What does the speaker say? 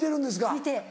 見て。